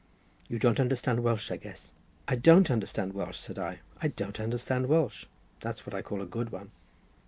You don't understand Welsh, I guess." "I don't understand Welsh," said I; "I don't understand Welsh. That's what I call a good one."